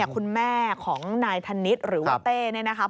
คุณแม่ของนายธนิษฐ์หรือว่าเต้เนี่ยนะครับ